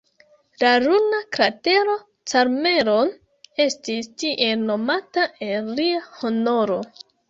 La luna kratero Cameron estis tiel nomata en lia honoro.